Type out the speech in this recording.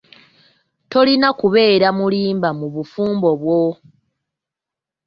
Tolina kubeera mulimba mu bufumbo bwo.